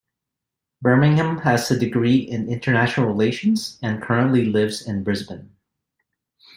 Birmingham has a degree in international relations and currently lives in Brisbane.